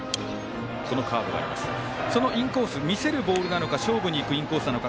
そのインコース見せるボールなのか勝負にいくインコースなのか